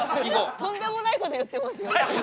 とんでもないこと言ってますよ。